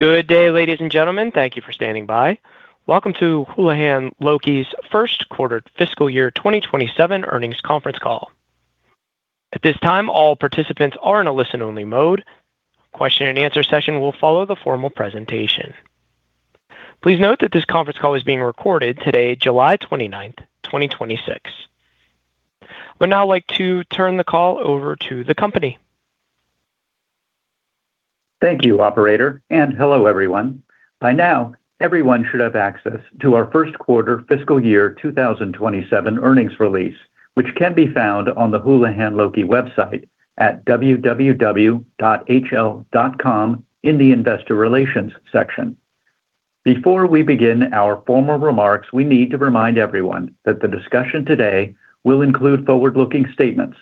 Good day, ladies and gentlemen. Thank you for standing by. Welcome to Houlihan Lokey's first quarter fiscal year 2027 earnings conference call. At this time, all participants are in a listen-only mode. Question and answer session will follow the formal presentation. Please note that this conference call is being recorded today, July 29th, 2026. I would now like to turn the call over to the company. Thank you, operator. Hello, everyone. By now, everyone should have access to our first quarter fiscal year 2027 earnings release, which can be found on the Houlihan Lokey website at www.hl.com in the investor relations section. Before we begin our formal remarks, we need to remind everyone that the discussion today will include forward-looking statements.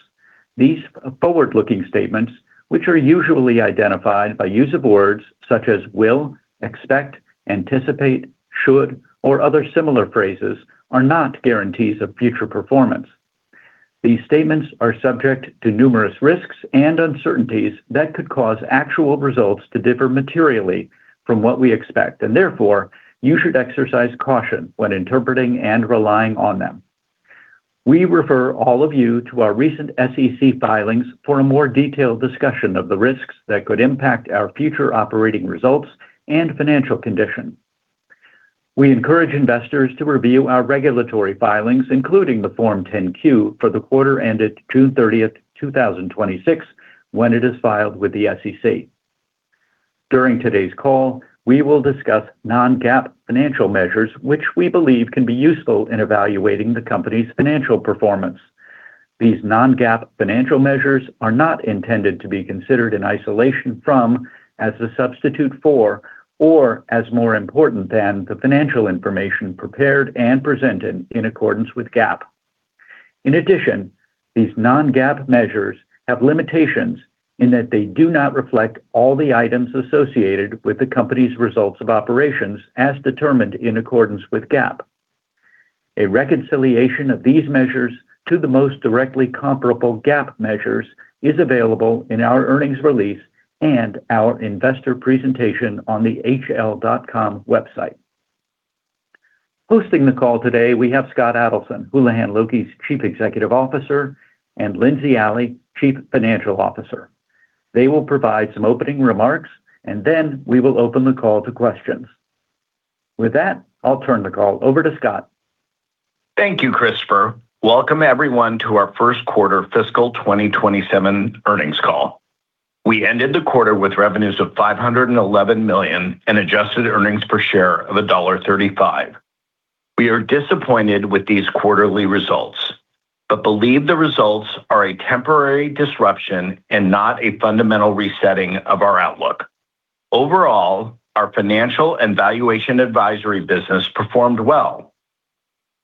These forward-looking statements, which are usually identified by use of words such as will, expect, anticipate, should, or other similar phrases, are not guarantees of future performance. These statements are subject to numerous risks and uncertainties that could cause actual results to differ materially from what we expect. Therefore, you should exercise caution when interpreting and relying on them. We refer all of you to our recent SEC filings for a more detailed discussion of the risk that could impact our future operating results and financial condition. We encourage investors to review our regulatory filings, including the Form 10-Q for the quarter ended June 30th, 2026, when it is filed with the SEC. During today's call, we will discuss non-GAAP financial measures which we believe can be useful in evaluating the company's financial performance. These non-GAAP financial measures are not intended to be considered in isolation from, as a substitute for, or as more important than the financial information prepared and presented in accordance with GAAP. In addition, these non-GAAP measures have limitations in that they do not reflect all the items associated with the company's results of operations as determined in accordance with GAAP. A reconciliation of these measures to the most directly comparable GAAP measures is available in our earnings release and our investor presentation on the hl.com website. Hosting the call today, we have Scott Adelson, Houlihan Lokey's Chief Executive Officer, and Lindsey Alley, Chief Financial Officer. They will provide some opening remarks, and then we will open the call to questions. With that, I'll turn the call over to Scott. Thank you, Christopher. Welcome, everyone, to our first quarter fiscal 2027 earnings call. We ended the quarter with revenues of $511 million and adjusted earnings per share of $1.35. We are disappointed with these quarterly results but believe the results are a temporary disruption and not a fundamental resetting of our outlook. Overall, our Financial and Valuation Advisory business performed well.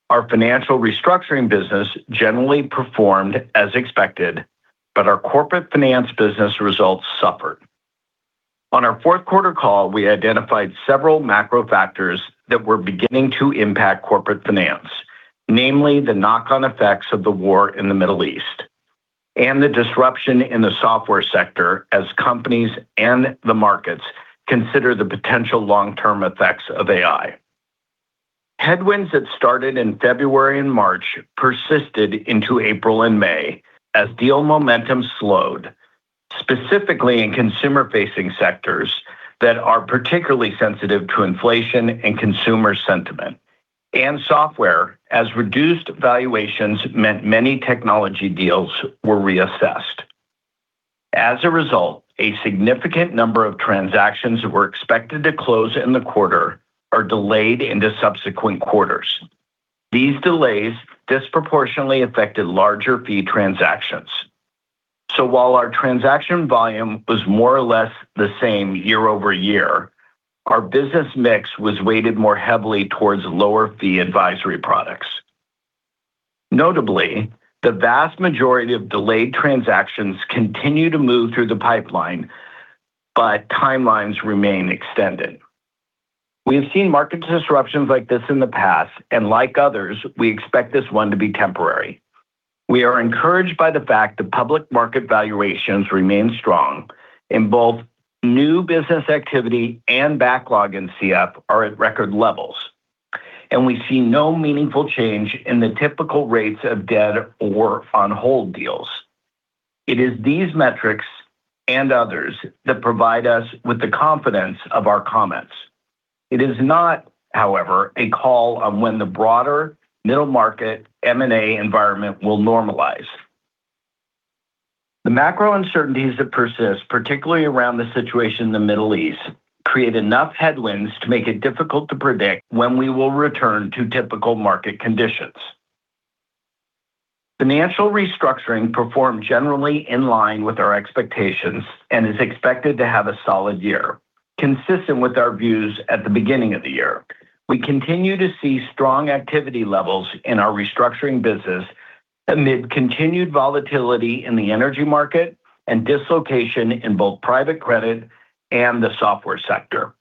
Our Financial Restructuring business generally performed as expected, but our Corporate Finance business results suffered. On our fourth-quarter call, we identified several macro factors that were beginning to impact Corporate Finance, namely the knock-on effects of the war in the Middle East and the disruption in the software sector as companies and the markets consider the potential long-term effects of AI. Headwinds that started in February and March persisted into April and May as deal momentum slowed, specifically in consumer-facing sectors that are particularly sensitive to inflation and consumer sentiment and software, as reduced valuations meant many technology deals were reassessed. As a result, a significant number of transactions that were expected to close in the quarter are delayed into subsequent quarters. These delays disproportionately affected larger fee transactions. While our transaction volume was more or less the same year-over-year, our business mix was weighted more heavily towards lower fee advisory products. Notably, the vast majority of delayed transactions continue to move through the pipeline, but timelines remain extended. We have seen market disruptions like this in the past, and like others, we expect this one to be temporary. We are encouraged by the fact that public market valuations remain strong and both new business activity and backlog in CF are at record levels, and we see no meaningful change in the typical rates of dead or on-hold deals. It is these metrics and others that provide us with the confidence of our comments. It is not, however, a call on when the broader middle-market M&A environment will normalize. The macro uncertainties that persist, particularly around the situation in the Middle East, create enough headwinds to make it difficult to predict when we will return to typical market conditions. Financial Restructuring performed generally in line with our expectations and is expected to have a solid year, consistent with our views at the beginning of the year. We continue to see strong activity levels in our restructuring business amid continued volatility in the energy market and dislocation in both private credit and the software sector.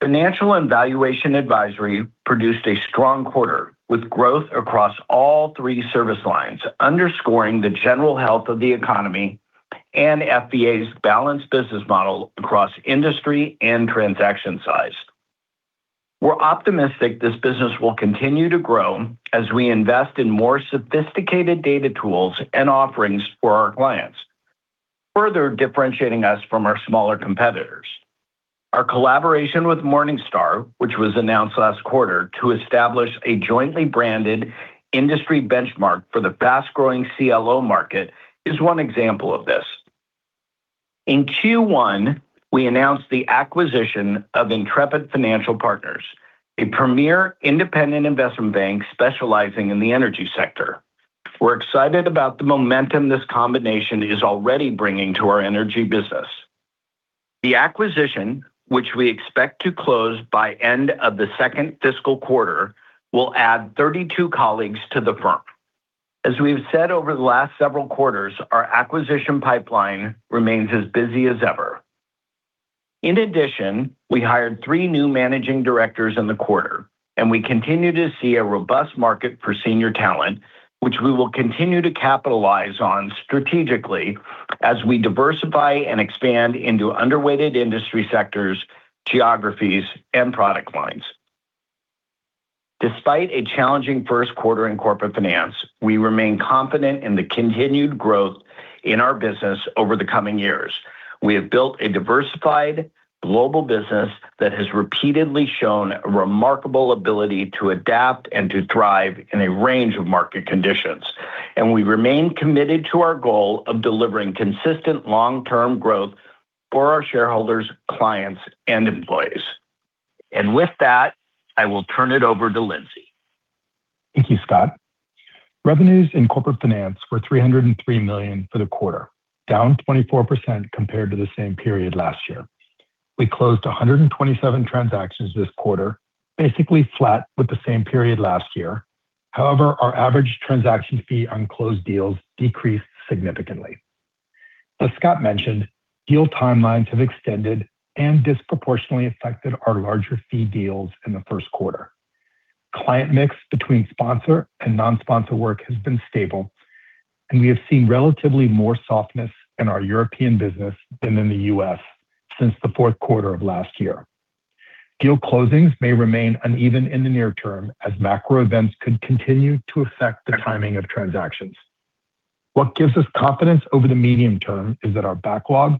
Financial and Valuation Advisory produced a strong quarter with growth across all three service lines, underscoring the general health of the economy and FVA's balanced business model across industry and transaction size. We're optimistic this business will continue to grow as we invest in more sophisticated data tools and offerings for our clients, further differentiating us from our smaller competitors. Our collaboration with Morningstar, which was announced last quarter, to establish a jointly branded industry benchmark for the fast-growing CLO market, is one example of this. In Q1, we announced the acquisition of Intrepid Financial Partners, a premier independent investment bank specializing in the energy sector. We're excited about the momentum this combination is already bringing to our energy business. The acquisition, which we expect to close by end of the second fiscal quarter, will add 32 colleagues to the firm. As we've said over the last several quarters, our acquisition pipeline remains as busy as ever. In addition, we hired three new managing directors in the quarter. We continue to see a robust market for senior talent, which we will continue to capitalize on strategically as we diversify and expand into underweighted industry sectors, geographies, and product lines. Despite a challenging first quarter in Corporate Finance, we remain confident in the continued growth in our business over the coming years. We have built a diversified global business that has repeatedly shown a remarkable ability to adapt and to thrive in a range of market conditions. We remain committed to our goal of delivering consistent long-term growth for our shareholders, clients, and employees. With that, I will turn it over to Lindsey. Thank you, Scott. Revenues in Corporate Finance were $303 million for the quarter, down 24% compared to the same period last year. We closed 127 transactions this quarter, basically flat with the same period last year. However, our average transaction fee on closed deals decreased significantly. As Scott mentioned, deal timelines have extended and disproportionately affected our larger fee deals in the first quarter. Client mix between sponsor and non-sponsor work has been stable. We have seen relatively more softness in our European business than in the U.S. since the fourth quarter of last year. Deal closings may remain uneven in the near term, as macro events could continue to affect the timing of transactions. What gives us confidence over the medium term is that our backlog,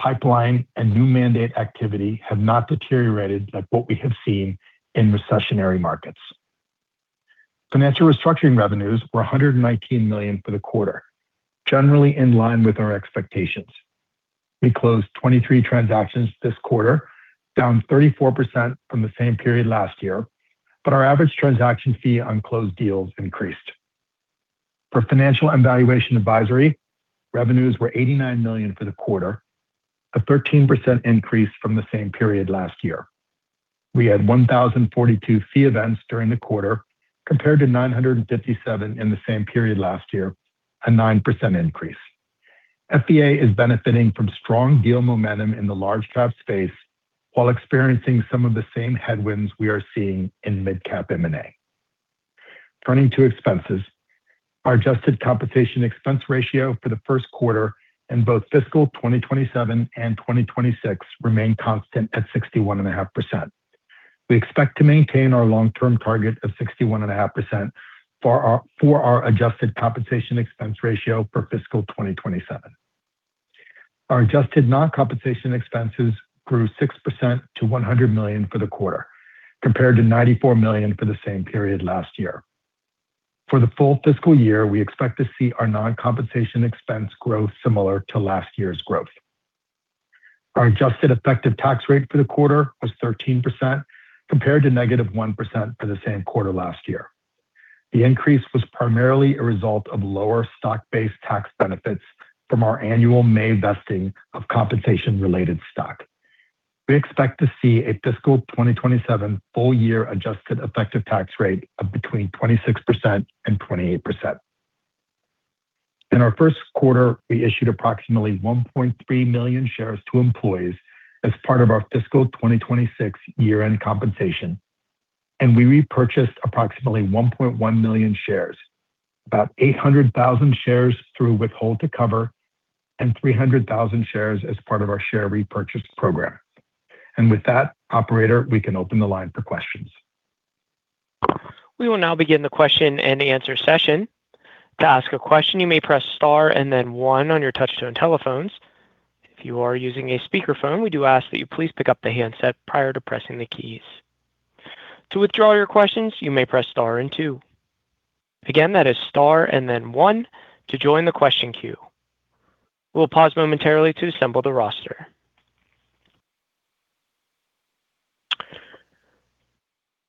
pipeline, and new mandate activity have not deteriorated like what we have seen in recessionary markets. Financial Restructuring revenues were $119 million for the quarter, generally in line with our expectations. We closed 23 transactions this quarter, down 34% from the same period last year. Our average transaction fee on closed deals increased. For Financial and Valuation Advisory, revenues were $89 million for the quarter, a 13% increase from the same period last year. We had 1,042 fee events during the quarter compared to 957 in the same period last year, a 9% increase. FVA is benefiting from strong deal momentum in the large cap space while experiencing some of the same headwinds we are seeing in mid-cap M&A. Turning to expenses, our adjusted compensation expense ratio for the first quarter in both fiscal 2027 and 2026 remained constant at 61.5%. We expect to maintain our long-term target of 61.5% for our adjusted compensation expense ratio for fiscal 2027. Our adjusted non-compensation expenses grew 6% to $100 million for the quarter, compared to $94 million for the same period last year. For the full fiscal year, we expect to see our non-compensation expense growth similar to last year's growth. Our adjusted effective tax rate for the quarter was 13%, compared to -1% for the same quarter last year. The increase was primarily a result of lower stock-based tax benefits from our annual May vesting of compensation-related stock. We expect to see a fiscal 2027 full-year adjusted effective tax rate of between 26% and 28%. In our first quarter, we issued approximately 1.3 million shares to employees as part of our fiscal 2026 year-end compensation, and we repurchased approximately 1.1 million shares. About 800,000 shares through withhold to cover and 300,000 shares as part of our share repurchase program. With that, operator, we can open the line for questions. We will now begin the question-and-answer session. To ask a question, you may press star and then one on your touch-tone telephones. If you are using a speakerphone, we do ask that you please pick up the handset prior to pressing the keys. To withdraw your questions, you may press star and two. Again, that is star and then one to join the question queue. We'll pause momentarily to assemble the roster.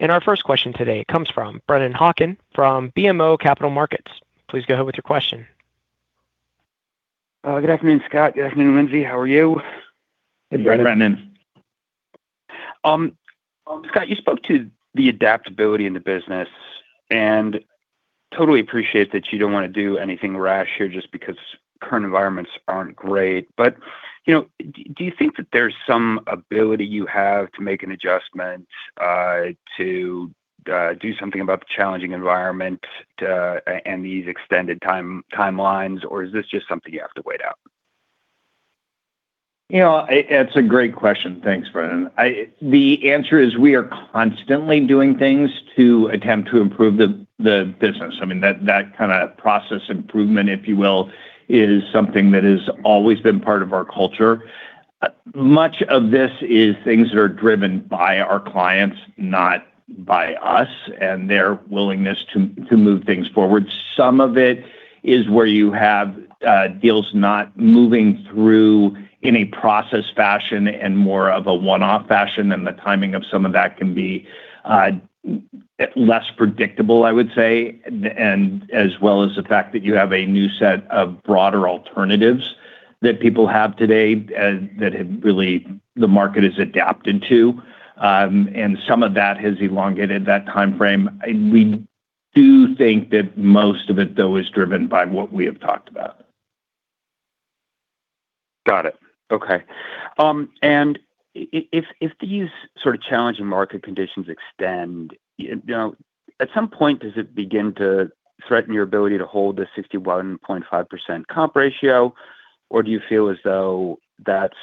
Our first question today comes from Brennan Hawken from BMO Capital Markets. Please go ahead with your question. Good afternoon, Scott. Good afternoon, Lindsey. How are you? Hey, Brennan. Scott, you spoke to the adaptability in the business and. Totally appreciate that you don't want to do anything rash here just because current environments aren't great. Do you think that there's some ability you have to make an adjustment to do something about the challenging environment and these extended timelines, or is this just something you have to wait out? It's a great question. Thanks, Brennan. The answer is we are constantly doing things to attempt to improve the business. That kind of process improvement, if you will, is something that has always been part of our culture. Much of this is things that are driven by our clients, not by us, and their willingness to move things forward. Some of it is where you have deals not moving through in a process fashion and more of a one-off fashion, and the timing of some of that can be less predictable, I would say, and as well as the fact that you have a new set of broader alternatives that people have today that really the market has adapted to. Some of that has elongated that timeframe. We do think that most of it, though, is driven by what we have talked about. Got it. Okay. If these sorts of challenging market conditions extend, at some point, does it begin to threaten your ability to hold the 61.5% comp ratio? Or do you feel as though that's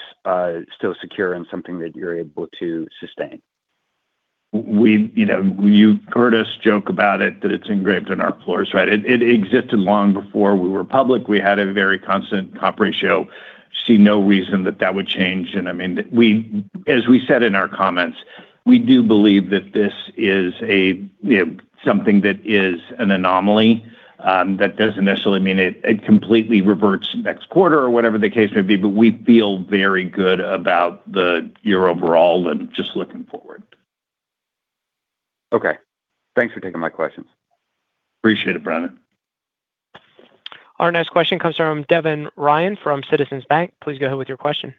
still secure and something that you're able to sustain? You've heard us joke about it, that it's engraved on our floors, right? It existed long before we were public. We had a very constant comp ratio. See no reason that that would change. As we said in our comments, we do believe that this is something that is an anomaly. That doesn't necessarily mean it completely reverts next quarter or whatever the case may be. We feel very good about the year overall and just looking forward. Okay. Thanks for taking my questions. Appreciate it, Brennan. Our next question comes from Devin Ryan from Citizens Bank. Please go ahead with your question.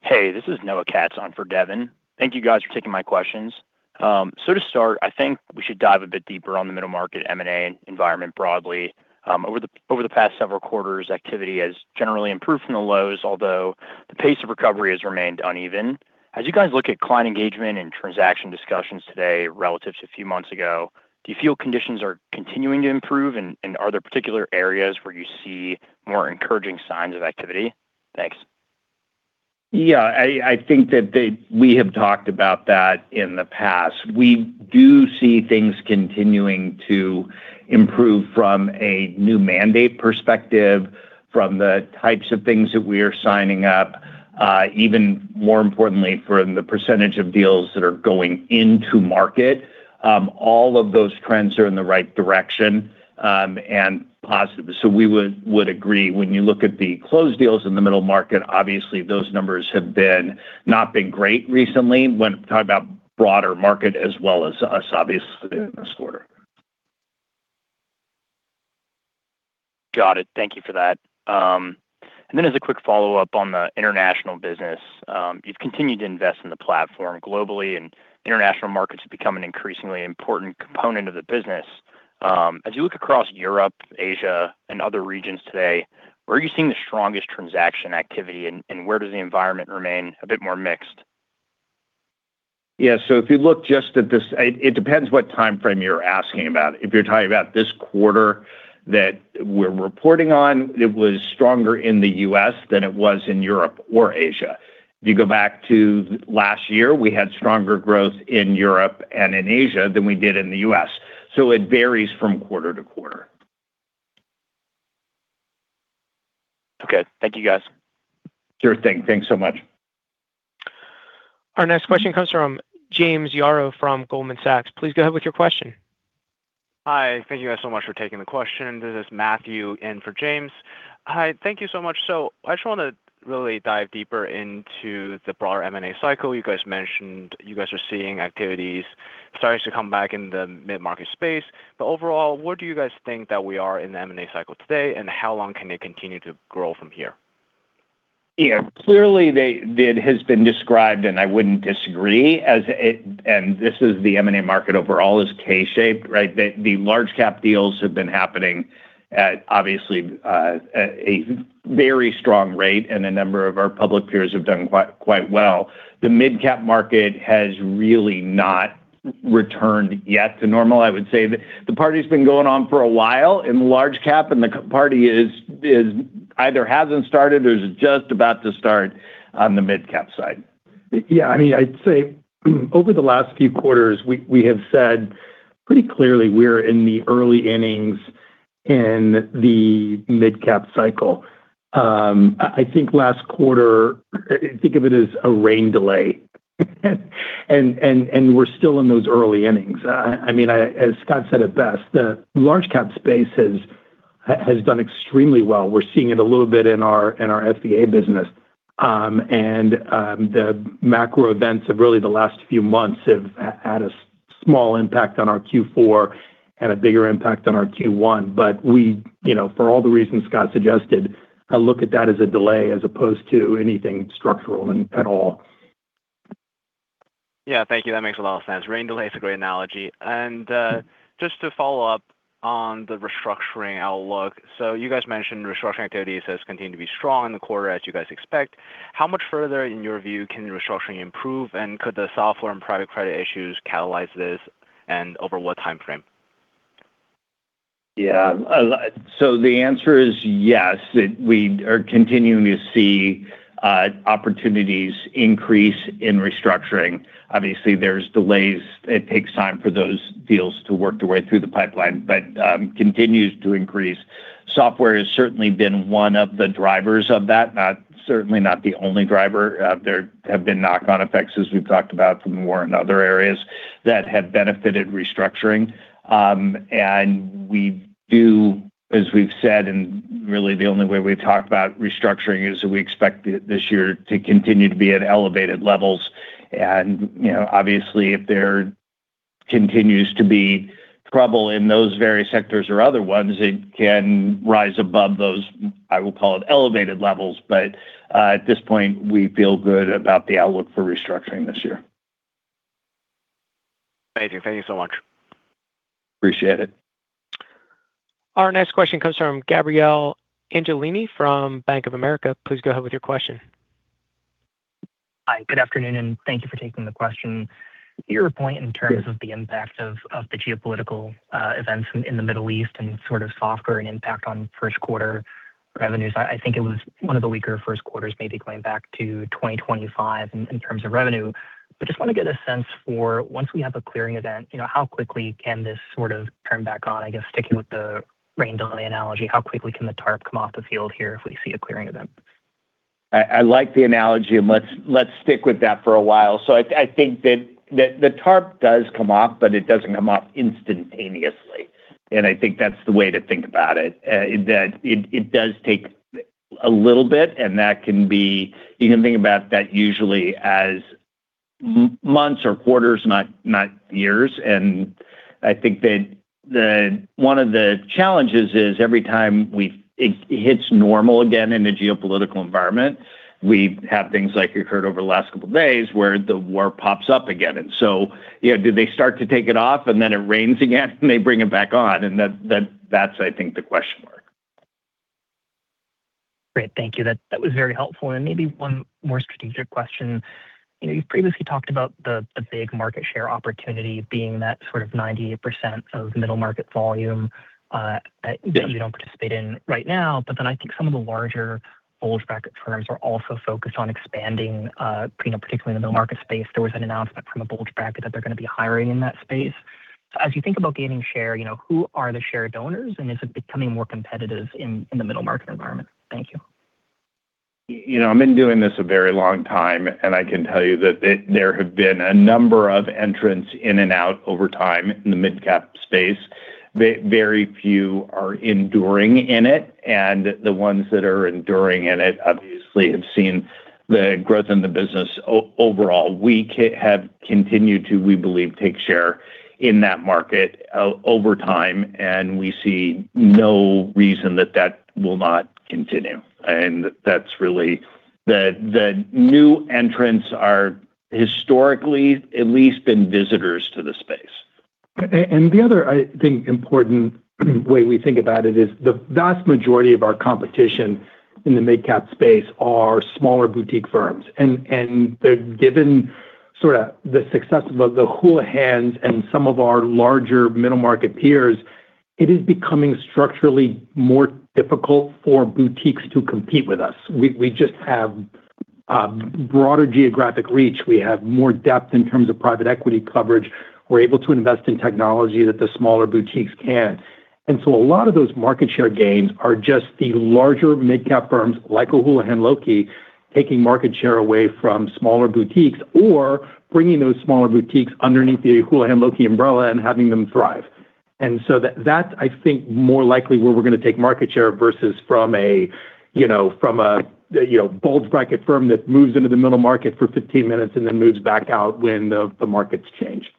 Hey, this is Noah Katz on for Devin. Thank you guys for taking my questions. To start, I think we should dive a bit deeper on the middle market M&A environment broadly. Over the past several quarters, activity has generally improved from the lows, although the pace of recovery has remained uneven. As you guys look at client engagement and transaction discussions today relative to a few months ago, do you feel conditions are continuing to improve, and are there particular areas where you see more encouraging signs of activity? Thanks. Yeah, I think that we have talked about that in the past. We do see things continuing to improve from a new mandate perspective, from the types of things that we are signing up, even more importantly, from the percentage of deals that are going into market. All of those trends are in the right direction and positive. We would agree when you look at the closed deals in the middle market, obviously those numbers have not been great recently when talking about broader market as well as us obviously in this quarter. Got it. Thank you for that. Then as a quick follow-up on the international business. You've continued to invest in the platform globally and international markets have become an increasingly important component of the business. As you look across Europe, Asia, and other regions today, where are you seeing the strongest transaction activity and where does the environment remain a bit more mixed? Yeah, it depends what timeframe you're asking about. If you're talking about this quarter that we're reporting on, it was stronger in the U.S. than it was in Europe or Asia. If you go back to last year, we had stronger growth in Europe and in Asia than we did in the U.S. It varies from quarter-to-quarter. Okay. Thank you, guys. Sure thing. Thanks so much. Our next question comes from James Yaro from Goldman Sachs. Please go ahead with your question. Hi. Thank you guys so much for taking the question. This is Matthew in for James. Hi. Thank you so much. I just want to really dive deeper into the broader M&A cycle. You guys mentioned you guys are seeing activities starting to come back in the mid-market space, overall, where do you guys think that we are in the M&A cycle today, and how long can it continue to grow from here? Yeah. Clearly it has been described, I wouldn't disagree, this is the M&A market overall is K-shaped, right? The large cap deals have been happening at obviously a very strong rate, a number of our public peers have done quite well. The midcap market has really not returned yet to normal. I would say the party's been going on for a while in the large cap, the party either hasn't started or is just about to start on the midcap side. Yeah, I'd say over the last few quarters, we have said pretty clearly we're in the early innings in the midcap cycle. I think last quarter, think of it as a rain delay. We're still in those early innings. As Scott said it best, the large cap space has done extremely well. We're seeing it a little bit in our FVA business. The macro events of really the last few months have had a small impact on our Q4 and a bigger impact on our Q1. For all the reasons Scott suggested, I look at that as a delay as opposed to anything structural at all. Yeah. Thank you. That makes a lot of sense. Rain delay is a great analogy. Just to follow up on the restructuring outlook. You guys mentioned restructuring activities has continued to be strong in the quarter as you guys expect. How much further, in your view, can restructuring improve, and could the software and private credit issues catalyze this, and over what timeframe? Yeah. The answer is yes. We are continuing to see opportunities increase in restructuring. Obviously, there's delays. It takes time for those deals to work their way through the pipeline, but continues to increase. Software has certainly been one of the drivers of that. Certainly not the only driver. There have been knock-on effects, as we've talked about, from the war and other areas that have benefited restructuring. We do, as we've said, and really the only way we've talked about restructuring is that we expect this year to continue to be at elevated levels. Obviously, if there continues to be trouble in those various sectors or other ones, it can rise above those, I will call it elevated levels. At this point, we feel good about the outlook for restructuring this year. Thank you. Thank you so much. Appreciate it. Our next question comes from Gabrielle Angelini from Bank of America. Please go ahead with your question. Hi, good afternoon. Thank you for taking the question. To your point. Yeah Regarding the impact of the geopolitical events in the Middle East and sort of software and impact on first quarter revenues, I think it was one of the weaker first quarters, maybe going back to 2025, in terms of revenue. Just want to get a sense for once we have a clearing event, how quickly can this sort of turn back on, I guess sticking with the rain delay analogy, how quickly can the tarp come off the field here if we see a clearing event? I like the analogy. Let's stick with that for a while. I think that the tarp does come off, but it doesn't come off instantaneously. I think that's the way to think about it. It does take a little bit, and you can think about that usually as months or quarters, not years. I think that one of the challenges is every time it hits normal again in the geopolitical environment, we have things like we've heard over the last couple of days where the war pops up again. Do they start to take it off and then it rains again, and they bring it back on? That's, I think, the question mark. Great. Thank you. That was very helpful. Maybe one more strategic question. You've previously talked about the big market share opportunity being that sort of 98% of middle market volume. Yeah. That you don't participate in right now. I think some of the larger bulge bracket firms are also focused on expanding, particularly in the middle market space. There was an announcement from a bulge bracket that they're going to be hiring in that space. As you think about gaining share, who are the share donors, and is it becoming more competitive in the middle market environment? Thank you. I've been doing this a very long time. I can tell you that there have been a number of entrants in and out over time in the mid-cap space. Very few are enduring in it. The ones that are enduring in it obviously have seen the growth in the business overall. We have continued to, we believe, take share in that market over time, and we see no reason that that will not continue. That's really the new entrants are historically at least been visitors to the space. The other, I think, important way we think about it is the vast majority of our competition in the mid-cap space are smaller boutique firms. They're given sort of the success of the Houlihans and some of our larger middle market peers. It is becoming structurally more difficult for boutiques to compete with us. We just have broader geographic reach. We have more depth in terms of private equity coverage. We're able to invest in technology that the smaller boutiques can't. A lot of those market share gains are just the larger mid-cap firms like Houlihan Lokey taking market share away from smaller boutiques or bringing those smaller boutiques underneath the Houlihan Lokey umbrella and having them thrive. That, I think, more likely where we're going to take market share versus from a bulge bracket firm that moves into the middle market for 15 minutes and then moves back out when the markets change.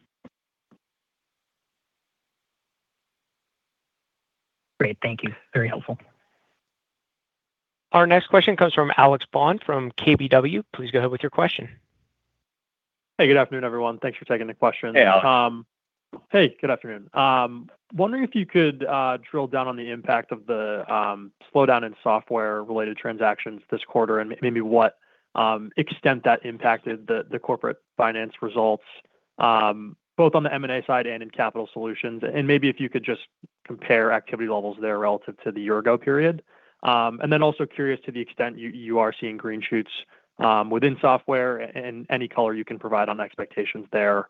Great. Thank you. Very helpful. Our next question comes from Alex Bond from KBW. Please go ahead with your question. Hey. Good afternoon, everyone. Thanks for taking the question. Hey, Alex. Good afternoon. Wondering if you could drill down on the impact of the slowdown in software-related transactions this quarter and maybe what extent that impacted the Corporate Finance results, both on the M&A side and in Capital Solutions. Maybe if you could just compare activity levels there relative to the year-ago period. Also curious to the extent you are seeing green shoots within software and any color you can provide on expectations there,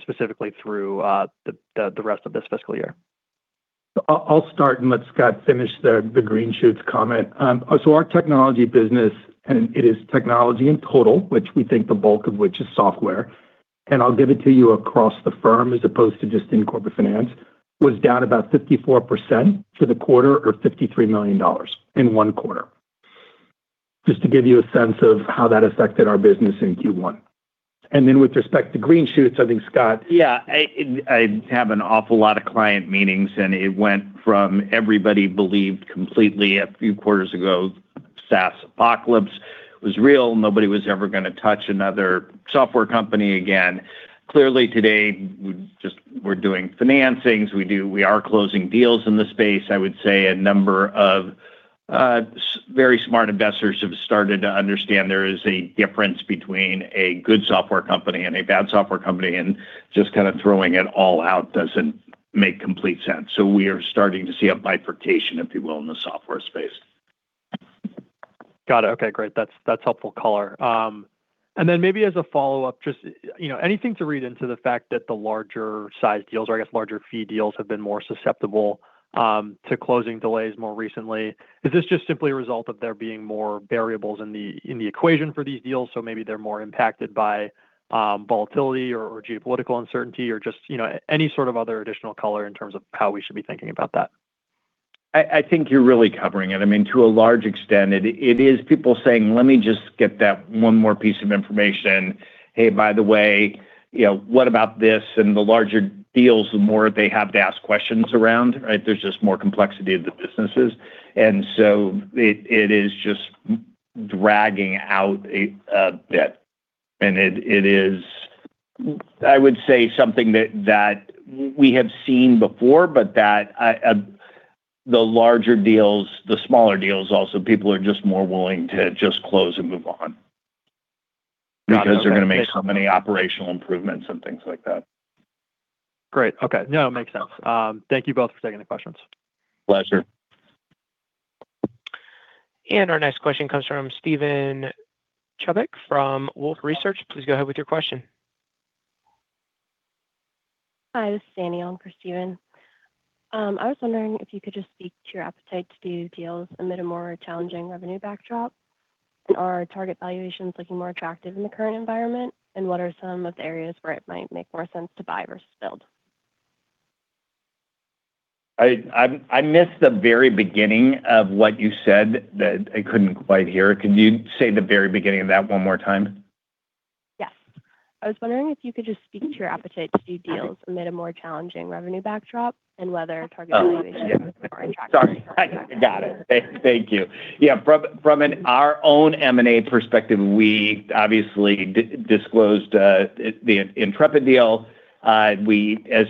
specifically through the rest of this fiscal year. I'll start and let Scott finish the green shoots comment. Our technology business, and it is technology in total, which we think the bulk of which is software, and I'll give it to you across the firm as opposed to just in Corporate Finance, was down about 54% for the quarter or $53 million in one quarter. Just to give you a sense of how that affected our business in Q1. With respect to green shoots, I think, Scott. Yeah. I have an awful lot of client meetings. It went from everybody believed completely a few quarters ago SaaS apocalypse was real. Nobody was ever going to touch another software company again. Clearly today, we're doing financings. We are closing deals in the space. I would say a number of very smart investors have started to understand there is a difference between a good software company and a bad software company, and just kind of throwing it all out doesn't make complete sense. We are starting to see a bifurcation, if you will, in the software space. Got it. Okay, great. That's helpful color. Maybe as a follow-up, just anything to read into the fact that the larger size deals, or I guess larger fee deals, have been more susceptible to closing delays more recently. Is this just simply a result of there being more variables in the equation for these deals, so maybe they're more impacted by volatility or geopolitical uncertainty, or just any sort of other additional color in terms of how we should be thinking about that? I think you're really covering it. To a large extent, it is people saying, "Let me just get that one more piece of information. Hey, by the way, what about this?" The larger deals, the more they have to ask questions around, right? There's just more complexity of the businesses. So it is just dragging out a bit. It is, I would say, something that we have seen before, but that the larger deals, the smaller deals also, people are just more willing to just close and move on. Got it. Because they're going to make so many operational improvements and things like that. Great. Okay. No, it makes sense. Thank you both for taking the questions. Pleasure. Our next question comes from Steven Chubbuck from Wolfe Research. Please go ahead with your question. Hi, this is [Annie] on for Steven. I was wondering if you could just speak to your appetite to do deals amid a more challenging revenue backdrop. Are target valuations looking more attractive in the current environment? What are some of the areas where it might make more sense to buy versus build? I missed the very beginning of what you said. I couldn't quite hear. Could you say the very beginning of that one more time? Yes. I was wondering if you could just speak to your appetite to do deals amid a more challenging revenue backdrop, and whether target valuations. Oh, yeah. Are more attractive. Sorry. I got it. Thank you. Yeah, from our own M&A perspective, we obviously disclosed the Intrepid deal. As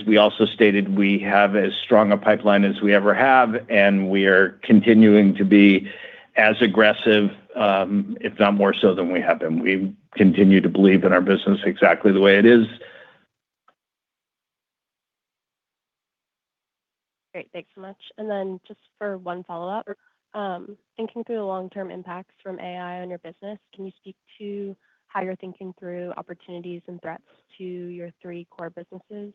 we also stated, we have as strong a pipeline as we ever have, and we're continuing to be as aggressive, if not more so than we have been. We continue to believe in our business exactly the way it is. Great. Thanks so much. Then just for one follow-up. Thinking through the long-term impacts from AI on your business, can you speak to how you're thinking through opportunities and threats to your three core businesses?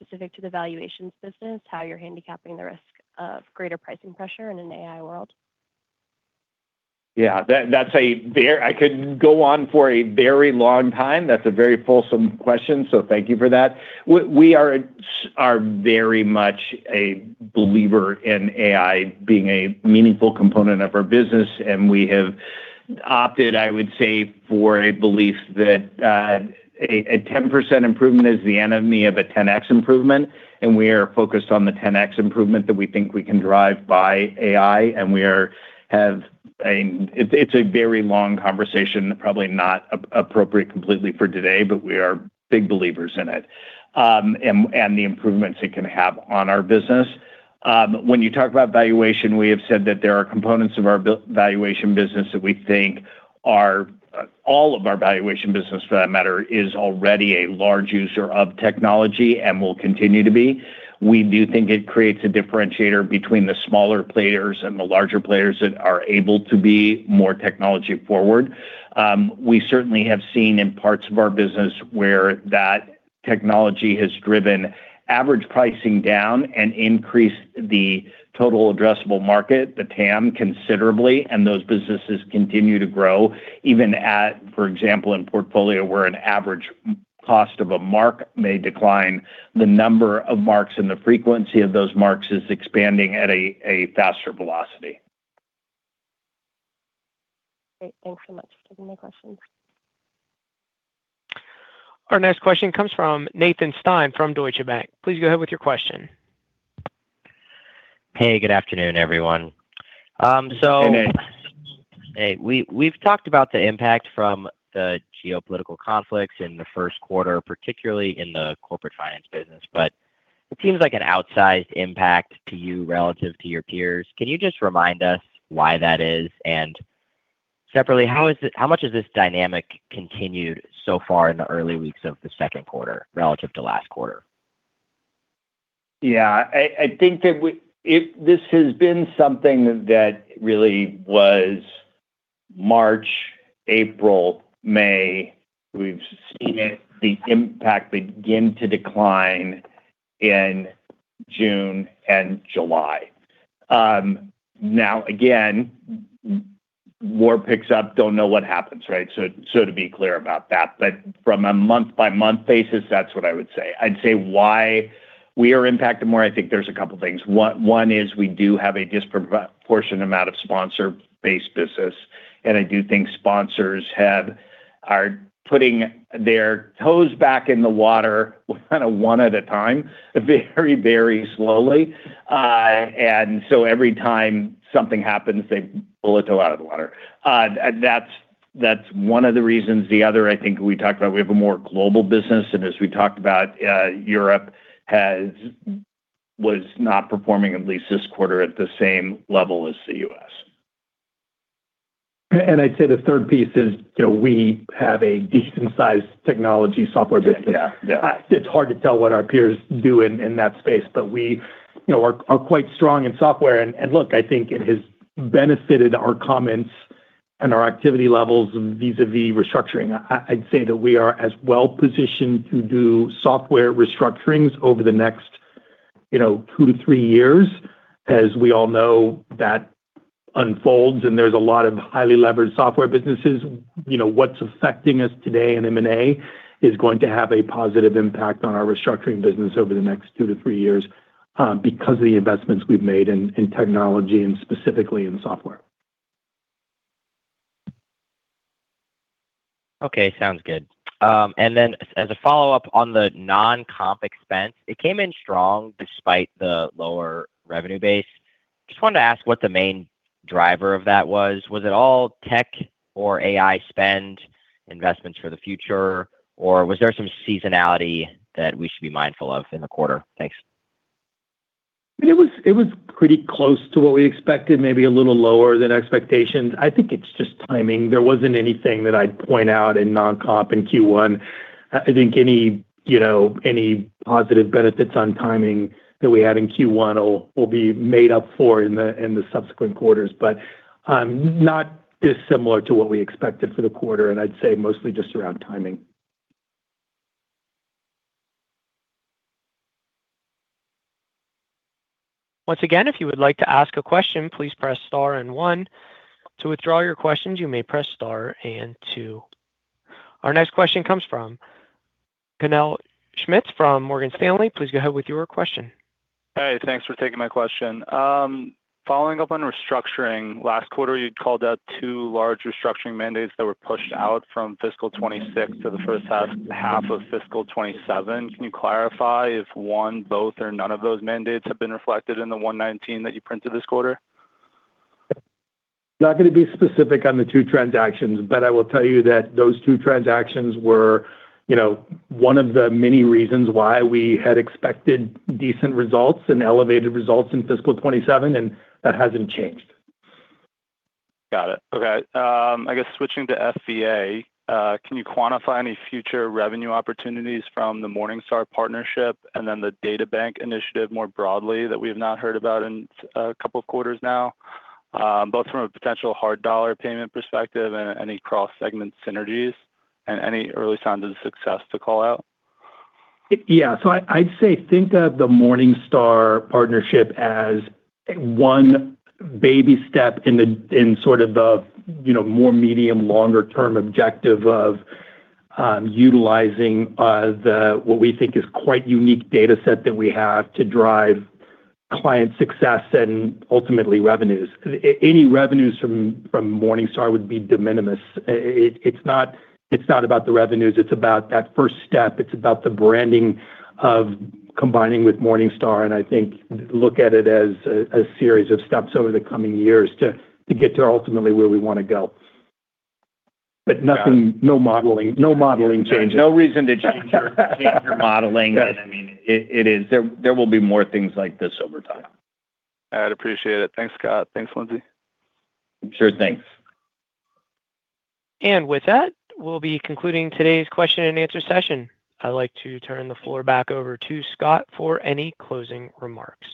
Specific to the valuations business, how you're handicapping the risk of greater pricing pressure in an AI world? Yeah. I could go on for a very long time. That's a very fulsome question, so thank you for that. We are very much a believer in AI being a meaningful component of our business, and we have opted, I would say, for a belief that a 10% improvement is the enemy of a 10X improvement, and we are focused on the 10X improvement that we think we can drive by AI, and it's a very long conversation, probably not appropriate completely for today, but we are big believers in it, and the improvements it can have on our business. When you talk about valuation, we have said that there are components of our valuation business that we think are, all of our valuation business for that matter, is already a large user of technology and will continue to be. We do think it creates a differentiator between the smaller players and the larger players that are able to be more technology forward. We certainly have seen in parts of our business where that technology has driven average pricing down and increased the total addressable market, the TAM, considerably, and those businesses continue to grow even at, for example, in portfolio, where an average cost of a mark may decline the number of marks and the frequency of those marks is expanding at a faster velocity. Great. Thanks so much for taking my questions. Our next question comes from Nathan Stein from Deutsche Bank. Please go ahead with your question. Hey, good afternoon, everyone. Hey, Nate. Hey. We've talked about the impact from the geopolitical conflicts in the first quarter, particularly in the Corporate Finance business, it seems like an outsized impact to you relative to your peers. Can you just remind us why that is? Separately, how much has this dynamic continued so far in the early weeks of the second quarter relative to last quarter? Yeah. I think that this has been something that really was March, April, May. We've seen the impact begin to decline in June and July. Again, war picks up, don't know what happens, right? To be clear about that, from a month-by-month basis, that's what I would say. I'd say why we are impacted more, I think there's a couple things. One is we do have a disproportionate amount of sponsor-based business I do think sponsors are putting their toes back in the water kind of one at a time, very slowly. Every time something happens, they pull their toe out of the water. That's one of the reasons. The other, I think we talked about, we have a more global business, as we talked about, Europe was not performing, at least this quarter, at the same level as the U.S. I'd say the third piece is that we have a decent-sized technology software business. Yeah. It's hard to tell what our peers do in that space. We are quite strong in software. Look, I think it has benefited our comments and our activity levels vis-à-vis restructuring. I'd say that we are as well-positioned to do software restructurings over the next two to three years. As we all know, that unfolds, and there's a lot of highly leveraged software businesses. What's affecting us today in M&A is going to have a positive impact on our restructuring business over the next two to three years because of the investments we've made in technology and specifically in software. Okay, sounds good. Then as a follow-up on the non-comp expense, it came in strong despite the lower revenue base. Just wanted to ask what the main driver of that was. Was it all tech or AI spend investments for the future, or was there some seasonality that we should be mindful of in the quarter? Thanks. It was pretty close to what we expected, maybe a little lower than expectations. I think it's just timing. There wasn't anything that I'd point out in non-comp in Q1. I think any positive benefits on timing that we had in Q1 will be made up for in the subsequent quarters, but not dissimilar to what we expected for the quarter, and I'd say mostly just around timing. Once again, if you would like to ask a question, please press star one. To withdraw your questions, you may press star two. Our next question comes from Connell Schmitz from Morgan Stanley. Please go ahead with your question. Hey, thanks for taking my question. Following up on restructuring, last quarter, you'd called out two large restructuring mandates that were pushed out from fiscal 2026 to the first half of fiscal 2027. Can you clarify if one, both, or none of those mandates have been reflected in the $119 that you printed this quarter? Not going to be specific on the two transactions. I will tell you that those two transactions were one of the many reasons why we had expected decent results and elevated results in fiscal 2027. That hasn't changed. Got it. Okay. I guess switching to FVA, can you quantify any future revenue opportunities from the Morningstar partnership and then the databank initiative more broadly that we have not heard about in a couple of quarters now, both from a potential hard dollar payment perspective and any cross-segment synergies and any early signs of success to call out? Yeah. I'd say think of the Morningstar partnership as one baby step in sort of the more medium, longer term objective of utilizing what we think is quite unique data set that we have to drive client success and ultimately revenues. Any revenues from Morningstar would be de minimis. It's not about the revenues, it's about that first step. It's about the branding of combining with Morningstar, and I think look at it as a series of steps over the coming years to get to ultimately where we want to go. No modeling changes. No reason to change your modeling. Yes. There will be more things like this over time. All right. Appreciate it. Thanks, Scott. Thanks, Lindsey. Sure thing. With that, we'll be concluding today's question and answer session. I'd like to turn the floor back over to Scott for any closing remarks.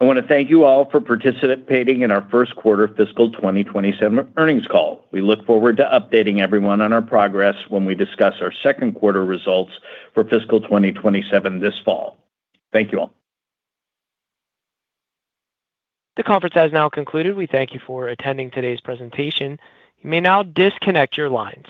I want to thank you all for participating in our first quarter fiscal 2027 earnings call. We look forward to updating everyone on our progress when we discuss our second quarter results for fiscal 2027 this fall. Thank you all. The conference has now concluded. We thank you for attending today's presentation. You may now disconnect your lines.